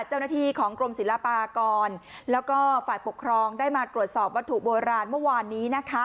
เจ้าหน้าที่ของกรมศิลปากรแล้วก็ฝ่ายปกครองได้มาตรวจสอบวัตถุโบราณเมื่อวานนี้นะคะ